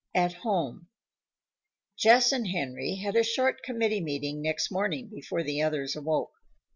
AT HOME Jess and Henry had a short committee meeting next morning before the others awoke.